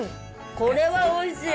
これはおいしい。